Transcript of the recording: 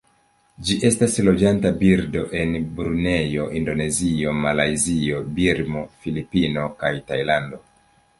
Ĝi estas loĝanta birdo en Brunejo, Indonezio, Malajzio, Birmo, Filipinoj kaj Tajlando.